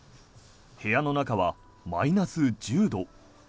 部屋の中はマイナス１０度。